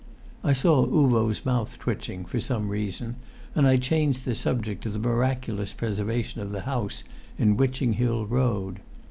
I saw Uvo's mouth twitching, for some reason, and I changed the subject to the miraculous preservation of the house in Witching Hill Road.